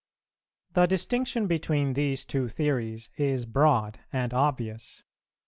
"The distinction between these two theories is broad and obvious.